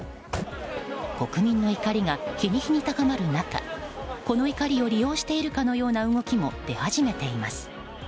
国民の怒りが日に日に高まる中この怒りを利用しているかのような動きも出始めています。